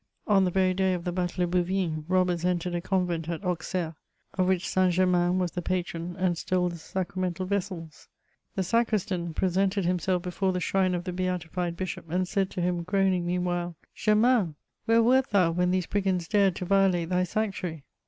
On the very day of the battle of Bouvines, robbers entered a convent at Auxerre, of which St. Germain was the patron, and stole the sacramental vessels. The sacristan pre sented himself before the shrine of the beatified bishop, and said to him, groaning meanwhile, " Germain, where wert thou when these brigands dared to violate thy sanctuary